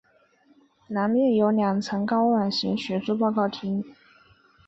南面有两层高卵形学术报告厅。